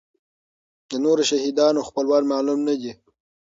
د نورو شهیدانو خپلوان معلوم نه دي.